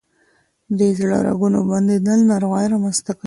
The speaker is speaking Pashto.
د زړه رګونه بندیدل ناروغۍ رامنځ ته کوي.